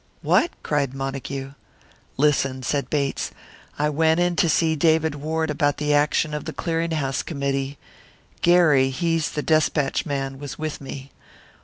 "What!" cried Montague. "Listen," said Bates. "I went in to see David Ward about the action of the Clearinghouse Committee; Gary he's the Despatch man was with me.